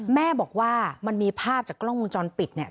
แม่บอกว่ามันมีภาพจากกล้องวงจรปิดเนี่ย